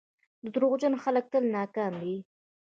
• دروغجن خلک تل ناکام وي.